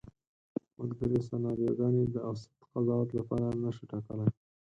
موږ درې سناریوګانې د اوسط قضاوت لپاره نشو ټاکلی.